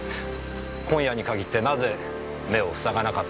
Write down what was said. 今夜に限ってなぜ目をふさがなかったのでしょう？